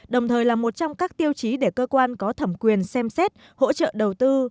đồng thời là một trong các tiêu chí để cơ quan có thẩm quyền xem xét hỗ trợ đầu tư